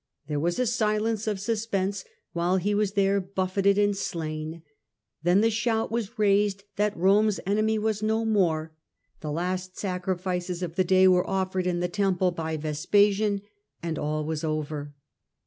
There was a silence of suspense while he was there buf feted and slain; then the shout was raised that Rome's enemy was no more ; the last sacrifices of the day were offered in the temple by Vespasian, and all was over.